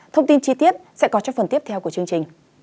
thông tin chi tiết sẽ có trong phần tiếp theo của chương trình